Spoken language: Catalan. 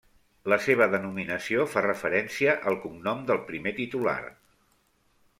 La seva denominació fa referència al cognom del primer titular.